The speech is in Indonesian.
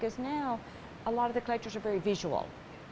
karena sekarang banyak kolektif sangat visual